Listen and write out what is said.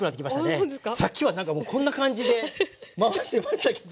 あそうですか？さっきは何かもうこんな感じで回してましたけど。